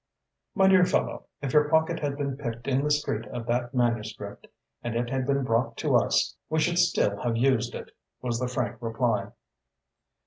"My dear fellow, if your pocket had been picked in the street of that manuscript and it had been brought to us, we should still have used it," was the frank reply.